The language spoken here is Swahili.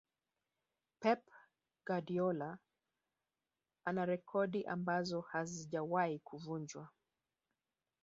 pep guardiola ana rekodi ambazo hazijawahi kuvunjwa